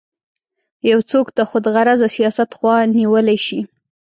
یو څوک د خودغرضه سیاست خوا نیولی شي.